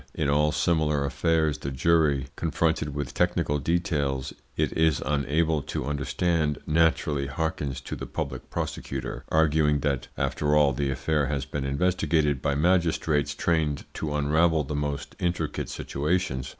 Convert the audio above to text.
In all similar affairs the jury, confronted with technical details it is unable to understand, naturally hearkens to the public prosecutor, arguing that, after all, the affair has been investigated by magistrates trained to unravel the most intricate situations.